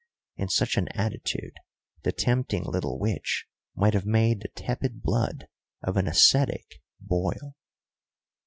In such an attitude the tempting little witch might have made the tepid blood of an ascetic boil.